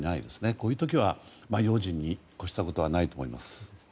こういう時は用心に越したことはないと思います。